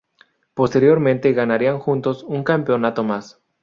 Posteriormente ganarían juntos un campeonato más.